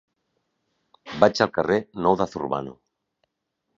Vaig al carrer Nou de Zurbano.